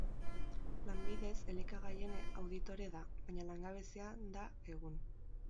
Lanbidez elikagaien auditore da, baina langabezian da egun.